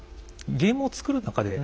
ゲームを作る中であれ